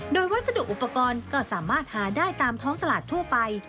โดยวัสดุอุปกรณ์ก็สามารถหาได้ตามท้องตลาดทั่วไป